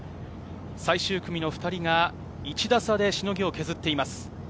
最終組の２人が１打差でしのぎを削っています。